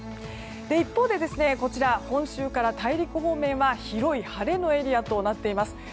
一方で本州から大陸方面は広い晴れのエリアとなっています。